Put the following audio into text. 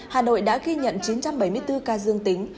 hà nội đã ghi nhận chín trăm bảy mươi bốn ca dương tính